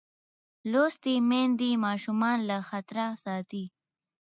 لوستې میندې ماشوم له خطره ساتي.